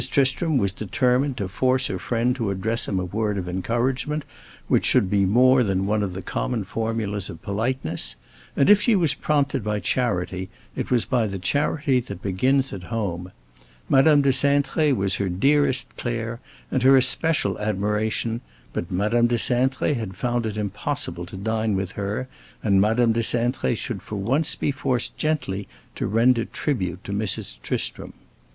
Tristram was determined to force her friend to address him a word of encouragement which should be more than one of the common formulas of politeness; and if she was prompted by charity, it was by the charity that begins at home. Madame de Cintré was her dearest Claire, and her especial admiration but Madame de Cintré had found it impossible to dine with her and Madame de Cintré should for once be forced gently to render tribute to Mrs. Tristram.